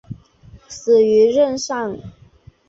死于任上。